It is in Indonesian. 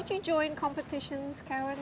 kamu pernah sertai kompetisi karen